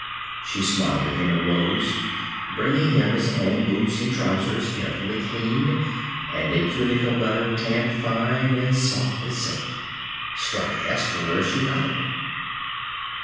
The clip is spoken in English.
She smiled at him and rose, bringing him his own boots and trousers, carefully cleaned, and a tunic of leather tanned fine and soft as silk. Stark asked her where she got it.